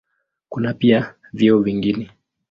Kuna pia vyeo vingine.